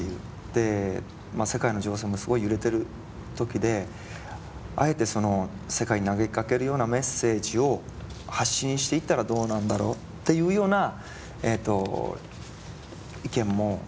で世界の情勢もすごい揺れてる時であえて世界に投げかけるようなメッセージを発信していったらどうなんだろうっていうような意見も出たりして。